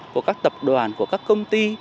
của các tập đoàn của các công ty